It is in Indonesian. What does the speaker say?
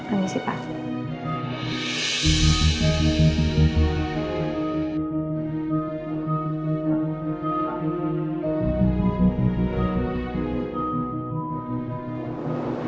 anggih si pak